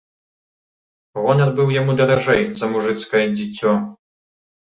Гонар быў яму даражэй за мужыцкае дзіцё.